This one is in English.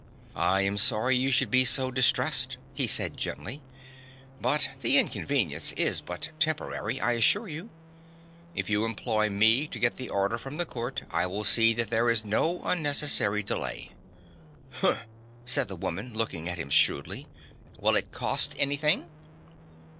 "I am sorry you should be so distressed," he said gently, "but the inconvenience is but temporary, I assure you. If you employ me to get the order from the court I will see that there is no unnecessary delay." "Humph!" said the woman, looking at him shrewdly. "Will it cost anything?"